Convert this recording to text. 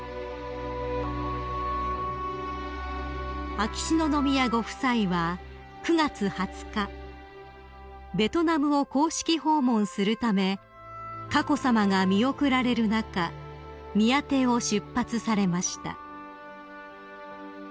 ［秋篠宮ご夫妻は９月２０日ベトナムを公式訪問するため佳子さまが見送られる中宮邸を出発されました］